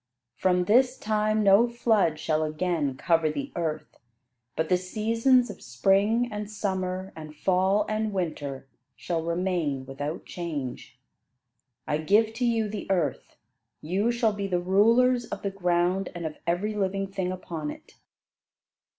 From this time no flood shall again cover the earth; but the seasons of spring and summer and fall and winter, shall remain without change. I give to you the earth; you shall be the rulers of the ground and of every living thing upon it."